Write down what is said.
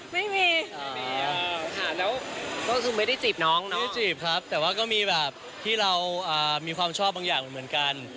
ไม่มีอ่าแล้วต้องซึ่งไม่ได้จีบน้องแต่ว่าก็มีแบบที่เรามีความชอบบางอย่างเหมือนกัน